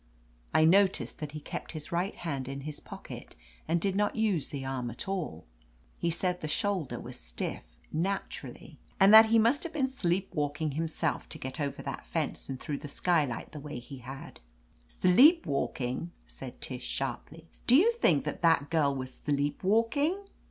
I noticed that he kept his right hand in his pocket, and did not use the arm at all. He said the shoulder was stiff, naturally, and that he must have been sleei> 83 »•* THE AMAZING ADVENTURES walking himself to get over that fence and through the skylight the way he had. "Sleep walking!'* said Tish sharply. "Do you think that that girl was sleep walking